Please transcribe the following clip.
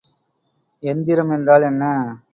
எந்திரம் என்றால் என்ன?